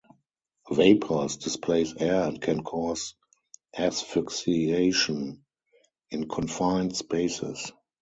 Vapours displace air and can cause asphyxiation in confined spaces.